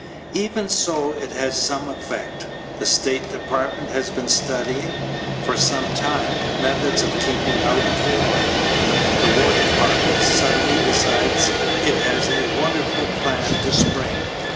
Even so, it has had some effect. The State Department has been studying "for some time" methods of keeping out of war. The War Department suddenly decides it has a wonderful plan to spring.